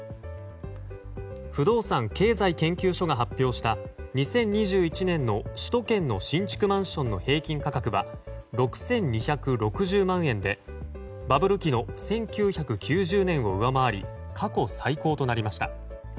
不動産経済研究所が発表した２０２１年の首都圏の新築マンションの平均価格は６２６０万円でバブル期の１９９０年を上回り過去最高となりました。